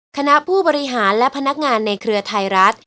คณะผู้บริหารและพนักงานในเครือไทยรัฐ